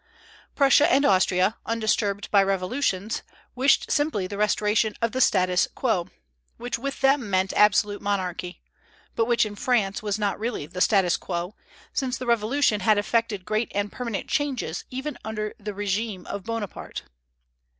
Prussia and Austria, undisturbed by revolutions, wished simply the restoration of the status quo, which with them meant absolute monarchy; but which in France was not really the status quo, since the Revolution had effected great and permanent changes even under the régime of Bonaparte.